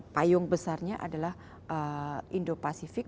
payung besarnya adalah indo pasifik